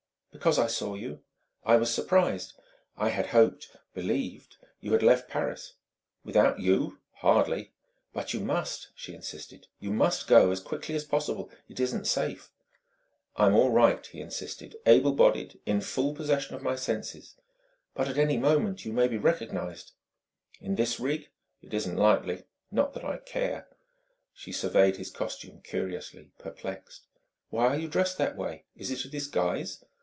"Because I saw you... I was surprised; I had hoped believed you had left Paris." "Without you? Hardly!" "But you must," she insisted "you must go, as quickly as possible. It isn't safe " "I'm all right," he insisted "able bodied in full possession of my senses!" "But any moment you may be recognized " "In this rig? It isn't likely.... Not that I care." She surveyed his costume curiously, perplexed. "Why are you dressed that way? Is it a disguise?"